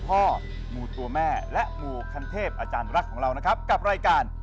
ขอบคุณครับกับมูตัวพ่อมูตัวแม่และมูคันเทพอาจารย์รักของเรานะครับกับรายการ